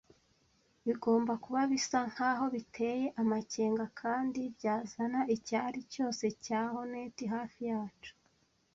bigomba kuba bisa nkaho biteye amakenga kandi byazana icyari cyose cya hornet hafi yacu